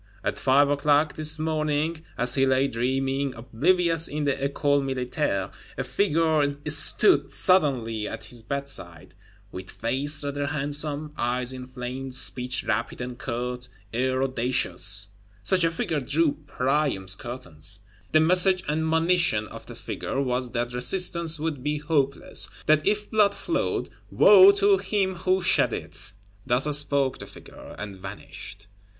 At five o'clock this morning, as he lay dreaming, oblivious in the École Militaire, a "figure" stood suddenly at his bedside; "with face rather handsome, eyes inflamed, speech rapid and curt, air audacious:" such a figure drew Priam's curtains! The message and monition of the figure was that resistance would be hopeless; that if blood flowed, woe to him who shed it. Thus spoke the figure: and vanished.